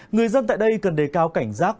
người dân tại đây cần đề cao cảnh giác